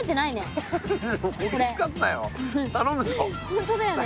本当だよね。